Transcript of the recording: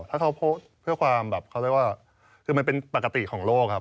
ถ้าเขาโพสต์เพื่อความแบบเขาเรียกว่าคือมันเป็นปกติของโลกครับ